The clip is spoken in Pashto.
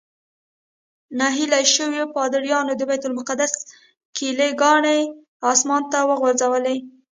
نهیلي شویو پادریانو د بیت المقدس کیلي ګانې اسمان ته وغورځولې.